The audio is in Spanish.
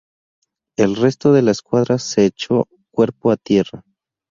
El resto de la escuadra se echó cuerpo a tierra.